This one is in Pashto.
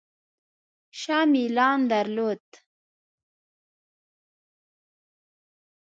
شاه میلان درلود.